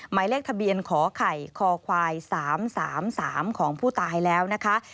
หมายเลขทะเบียนขอไข่คอควาย๓๓ของผู้ตายแล้วนะคะ